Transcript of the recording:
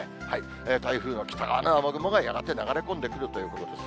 台風の北側の雨雲がやがて流れ込んでくるということです。